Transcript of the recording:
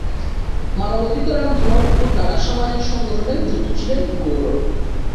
মানবাধিকার আন্দোলন ও নানা সামাজিক সংগঠনে যুক্ত ছিলেন গৌর।